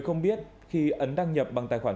không biết khi ấn đăng nhập bằng tài khoản